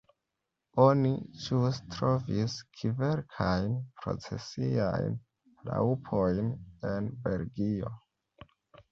Oni ĵus trovis kverkajn procesiajn raŭpojn en Belgio.